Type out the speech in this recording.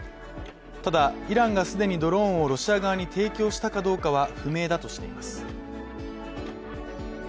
ただ、イランが既にドローンをロシア側に提供したかどうかは不明だとしています。